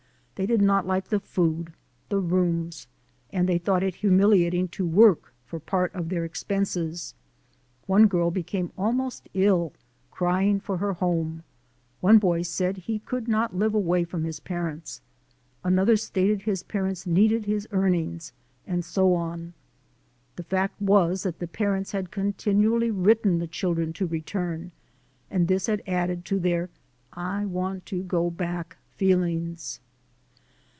They did not like the food, the rooms, and they thought it humiliating to work for part of thei? expenses. One girl became almost ill crying for her home ; one boy said he could not live away from his parents ; another stated his parents needed his earnings, and so on. The fact was that the parents had continually written the children to return, and this had added to their I want to go back feelings.